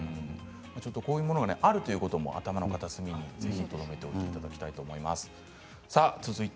こういうものがあるということも頭の片隅にとどめておいていただきたいと思います。